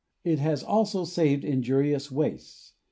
It has also saved injurious wastes.